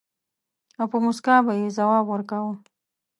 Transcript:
او په مُسکا به يې ځواب ورکاوه.